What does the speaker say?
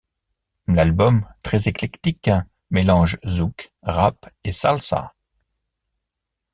L'album, très éclectique, mélange zouk, rap et salsa.